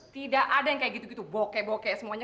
tidak ada yang kayak gitu gitu bokeh bokeh semuanya